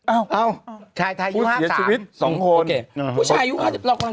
อ้าวตายอยู่ห้าม๓ผู้เสียชีวิต๒คน